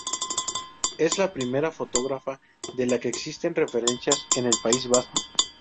Es la primera fotógrafa de la que existen referencias en el País Vasco.